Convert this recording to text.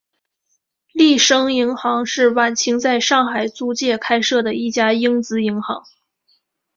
利升银行是晚清在上海租界开设的一家英资银行。